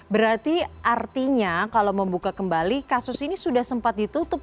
berarti artinya kalau membuka kembali kasus ini sudah sempat ditutup